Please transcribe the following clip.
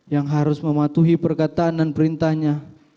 yang harus mematuhi perkataan dan perintahnya